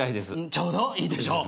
ちょうどいいでしょう。